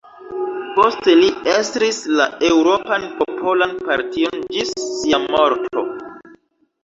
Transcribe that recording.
Poste li estris la Eŭropan Popolan Partion ĝis sia morto.